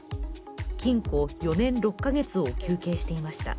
禁錮４年６か月を求刑していました。